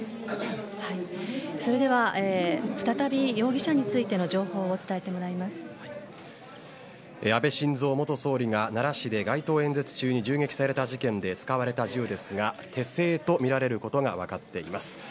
それでは、再び容疑者についての情報を安倍晋三元総理が奈良市で街頭演説中に銃撃された事件で使われた銃ですが手製とみられることが分かっています。